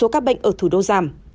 các bệnh ở thủ đô giảm